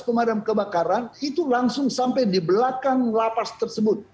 pemadam kebakaran itu langsung sampai di belakang lapas tersebut